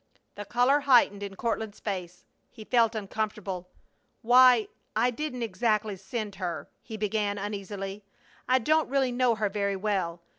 The color heightened in Courtland's face. He felt uncomfortable. "Why, I didn't exactly send her," he began, uneasily. "I don't really know her very well.